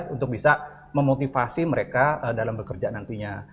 untuk bisa memotivasi mereka dalam bekerja nantinya